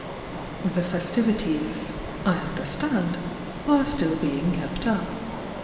The festivities, I understand, Are still being kept up.